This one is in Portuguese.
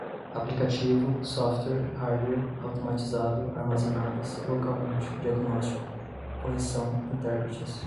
aplicativo, software, hardware, automatizado, armazenadas, localmente, diagnóstico, correção, intérpretes